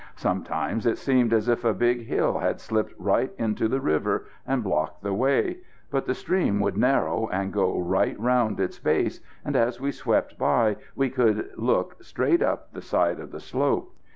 Sometimes it seemed as if a big hill had slipped right into the river and blocked the way; but the stream would narrow and go right round its base, and, as we swept by, we could look straight up the side of the slope.